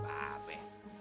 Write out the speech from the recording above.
aduh mbak be